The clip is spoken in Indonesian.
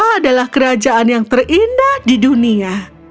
kota adalah kerajaan yang terindah di dunia